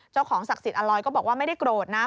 เจ้าของศักดิ์สิทธิอลอยก็บอกว่าไม่ได้โกรธนะ